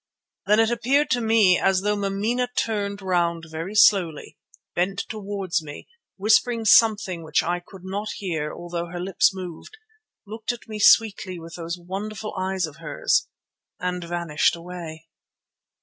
Then it appeared to me as though Mameena turned round very slowly, bent towards me, whispering something which I could not hear although her lips moved, looked at me sweetly with those wonderful eyes of hers and vanished away.